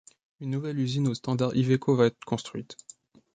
Une nouvelle usine aux standards Iveco va être construite.